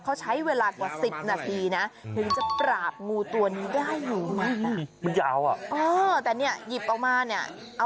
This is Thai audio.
เขาใช้เวลากว่า๑๐นาทีนะ